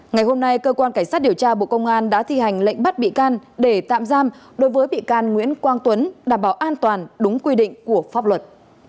ngày hôm nay cơ quan cảnh sát điều tra bộ công an đã thi hành lệnh bắt bị can để tạm giam đối với bị can nguyễn quang tuấn đảm bảo an toàn đúng quy định của pháp luật